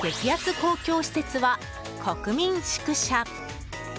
公共施設は国民宿舎。